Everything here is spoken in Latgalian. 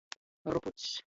Rupucs.